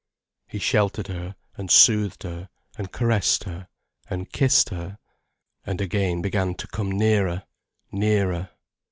He sheltered her, and soothed her, and caressed her, and kissed her, and again began to come nearer, nearer.